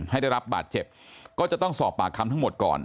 ให้ได้รับบาดเจ็บก็จะต้องสอบปากคำทั้งหมดก่อน